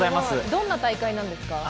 どんな大会なんですか？